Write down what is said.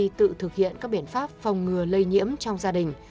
tự thực hiện các biện pháp phòng ngừa lây nhiễm trong gia đình